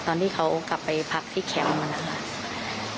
ตอนที่เขากลับไปพักที่แคมป์นะครับ